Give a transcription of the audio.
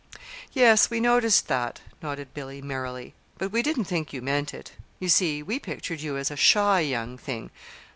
"Yes, we noticed that," nodded Billy, merrily. "But we didn't think you meant it. You see we pictured you as a shy young thing.